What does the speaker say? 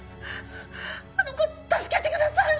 あの子を助けてください！